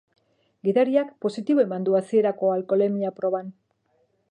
Gidariak positibo eman du hasierako alkoholemia proban.